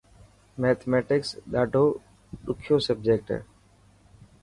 ميٿميٽڪس ڌاڏو ڏخيو سبجيڪٽ هي.